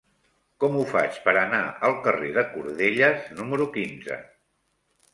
Com ho faig per anar al carrer de Cordelles número quinze?